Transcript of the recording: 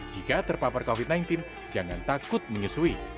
jika terpapar covid sembilan belas jangan takut menyusui